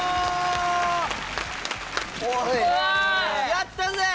やったぜ！